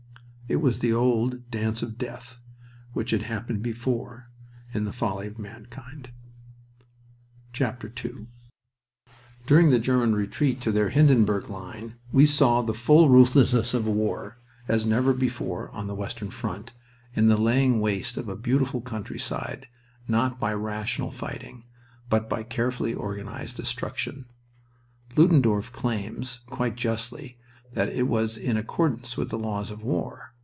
It was the old Dance of Death which has happened before in the folly of mankind. II During the German retreat to their Hindenburg line we saw the full ruthlessness of war as never before on the western front, in the laying waste of a beautiful countryside, not by rational fighting, but by carefully organized destruction. Ludendorff claims, quite justly, that it was in accordance with the laws of war.